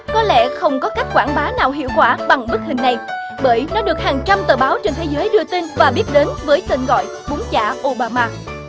có lẽ không có cách quảng bá nào hiệu quả bằng bức hình này bởi nó được hàng trăm tờ báo trên thế giới đưa tin và biết đến với tên gọi búng giả obama